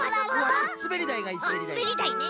あっすべりだいね。